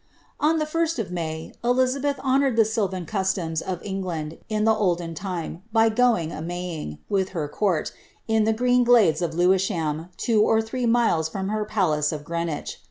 * On the 1st of May, Elizabeth honoured the sylvan customs of Eng land, in the olden time, by going a Maying, with her court, in the green glades of Lewisham, two or three miles from her palace of Greenwich.'